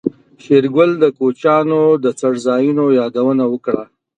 شېرګل د کوچيانو د څړځايونو يادونه وکړه.